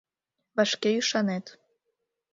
Вашке ӱшанет.